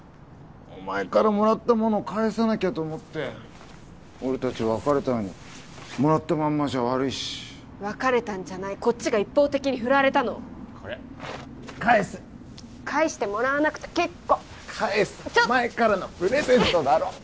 お前からもらったもの返さなきゃと思って俺達別れたのにもらったまんまじゃ悪いし別れたんじゃないこっちが一方的にフラれたのこれ返す返してもらわなくて結構返すお前からのプレゼントだろ